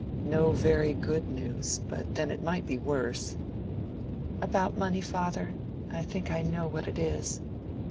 "No very good news; but then it might be worse." "About money, father? I think I know what it is."